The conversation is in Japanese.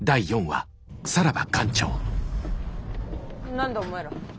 何だお前ら。